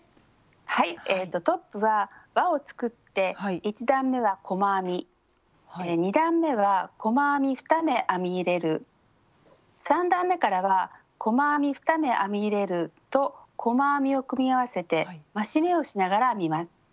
はいトップはわを作って１段めは細編み２段めは細編み２目編み入れる３段めからは細編み２目編み入れると細編みを組み合わせて増し目をしながら編みます。